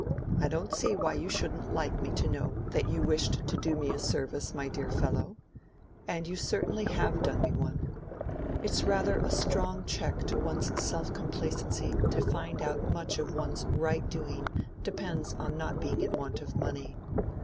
I don't see why you shouldn't like me to know that you wished to do me a service, my dear fellow. And you certainly have done me one. It's rather a strong check to one's self complacency to find how much of one's right doing depends on not being in want of money.